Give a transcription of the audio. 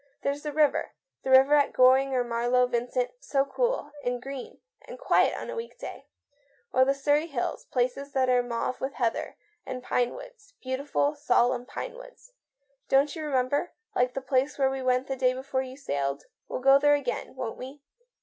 " There's the river — the river at Goring or Marlowe, Vincent, so cool, and green, and quiet on a weekday ! Or the Surrey hills, places that are mauve with heather and pine woods, beautiful, solemn pine woods — don't you remember — like the place where we went the day before you sailed ? We'll go there again, won't we